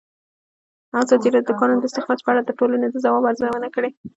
ازادي راډیو د د کانونو استخراج په اړه د ټولنې د ځواب ارزونه کړې.